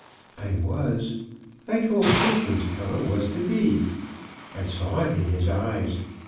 "I was. I told Patience how it was to be. I saw it in his eyes.